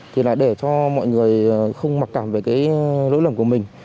thì là để cho mọi người không mặc cảm về cái lỗi lầm của mình